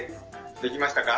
できましたか？